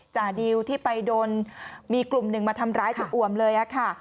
จ่าดิวที่ไปโดนมีกลุ่มหนึ่งมาทำร้ายจนอ่วมเลยค่ะ